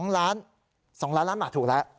๒๐๐๐๐๐๐ล้านบาทถูกแล้ว